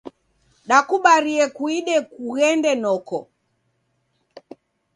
Dakubaria kuide kughende noko.